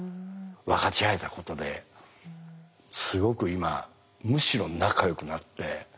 分かち合えたことですごく今むしろ仲よくなって。